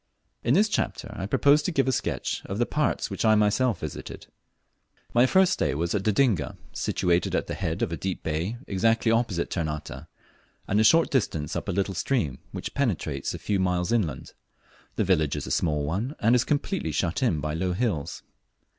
In this chapter I propose to give a sketch of the parts which I myself visited. My first stay was at Dodinga, situated at the head of a deep bay exactly opposite Ternate, and a short distance up a little stream which penetrates a few miles inland. The village is a small one, and is completely shut in by low hills.